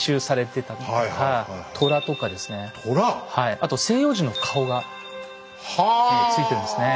あと西洋人の顔がついてるんですね。